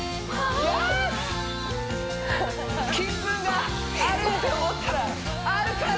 金粉があるって思ったらあるから！